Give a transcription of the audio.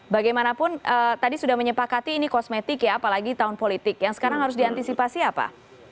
bagaimanapun tadi sudah menyepakati ini kosmetik ya apalagi tahun politik yang sekarang harus diantisipasi apa